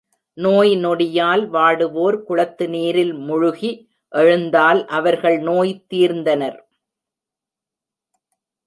நோய் நொடியால் வாடுவோர் குளத்து நீரில் முழுகி எழுந்தால் அவர்கள் நோய் தீர்ந்தனர்.